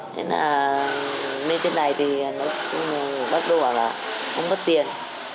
nên là bên trên này thì nói chung là bắc đô bảo là không mất tiền